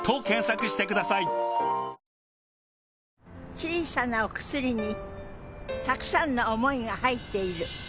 小さなお薬にたくさんの想いが入っている。